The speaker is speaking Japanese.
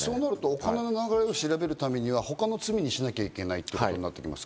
お金の流れを調べるためには他の罪にしなきゃいけないということになります。